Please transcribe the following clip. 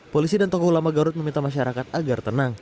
polisi dan tokoh ulama garut meminta masyarakat agar tenang